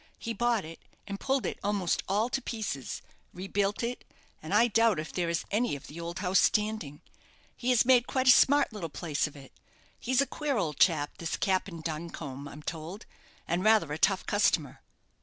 He bought it, and pulled it almost all to pieces, rebuilt it, and I doubt if there is any of the old house standing. He has made quite a smart little place of it. He's a queer old chap, this Cap'en Duncombe, I'm told, and rather a tough customer."